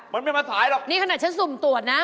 มันไม่มาถ่ายหรอกนี่ขนาดฉันสุ่มตรวจนะ